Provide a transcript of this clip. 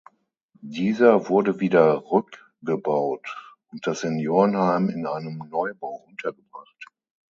Dieser wurde wieder rückgebaut und das Seniorenheim in einem Neubau untergebracht.